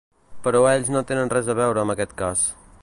Però ells no tenen res a veure amb aquest cas.